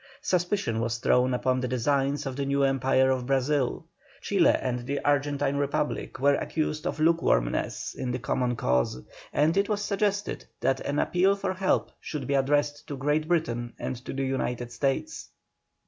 Suspicion was thrown upon the designs of the new empire of Brazil; Chile and the Argentine Republic were accused of lukewarmness in the common cause; and it was suggested that an appeal for help should be addressed to Great Britain and to the United States.